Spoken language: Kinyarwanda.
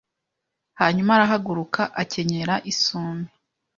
Hanyuma arahaguruka akenyera isume